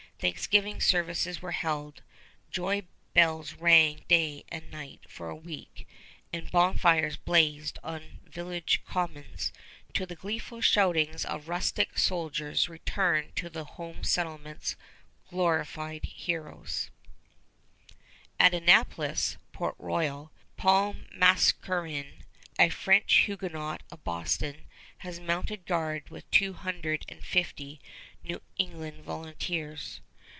Thanksgiving services were held, joy bells rang day and night for a week, and bonfires blazed on village commons to the gleeful shoutings of rustic soldiers returned to the home settlements glorified heroes. [Illustration: PAUL MASCARENE] At Annapolis (Port Royal) Paul Mascarene, a French Huguenot of Boston, has mounted guard with two hundred and fifty New England volunteers.